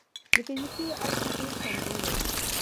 د فزیکي اړخه ډېر کمزوري وي.